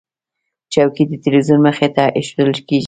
چوکۍ د تلویزیون مخې ته ایښودل کېږي.